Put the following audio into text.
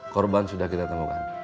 korban sudah kita temukan